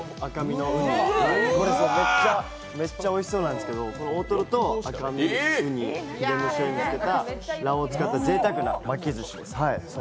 めっちゃおいしそうなんですけど、大トロと赤身、うに、秘伝のしょうゆを使ったぜいたくな巻き寿司です。